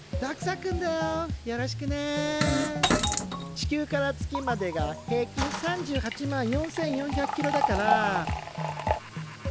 地球から月までが平均３８万４４００ｋｍだから。